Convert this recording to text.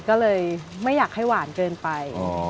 ก็เลยไม่อยากให้หวานเกินไป